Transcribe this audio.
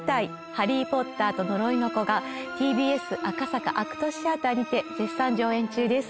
「ハリー・ポッターと呪いの子」がＴＢＳ赤坂ＡＣＴシアターにて絶賛上演中です